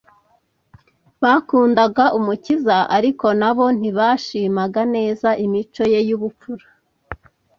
Bakundaga Umukiza ariko na bo ntibashimaga neza imico ye y'ubupfura.